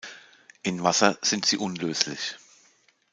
In Wasser sind sie unlöslich.